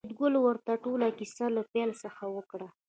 فریدګل ورته ټوله کیسه له پیل څخه وکړه